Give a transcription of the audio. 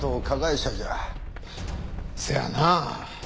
せやなあ。